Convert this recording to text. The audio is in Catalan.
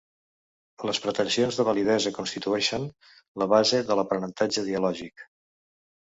Les pretensions de validesa constitueixen la base de l'aprenentatge dialògic.